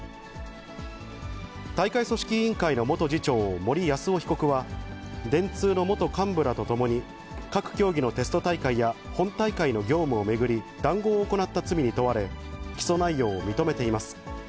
大会組織委員会の元次長、森泰夫被告は、電通の元幹部らと共に、各競技のテスト大会や、本大会の業務を巡り談合を行った罪に問われ、起訴内容を認めています。